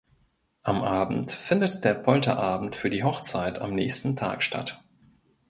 Am Abend findet der Polterabend für die Hochzeit am nächsten Tag statt.